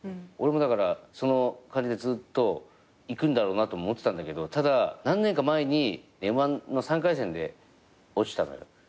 俺もだからその感じでずっといくんだろうなと思ってたんだけどただ何年か前にＭ−１の３回戦で落ちたのよ。